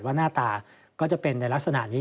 หน้าตาก็จะเป็นในลักษณะนี้